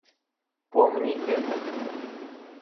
Помни это.